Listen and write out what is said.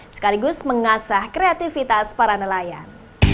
sekaligus mengasah kreativitas para nelayan